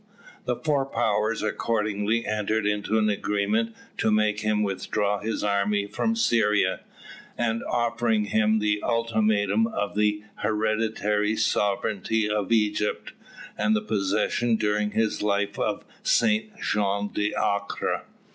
The four powers accordingly entered into an agreement to make him withdraw his army from Syria, and offering him the ultimatum of the hereditary sovereignty of Egypt and the possession during his life of Saint Jean d'Acre.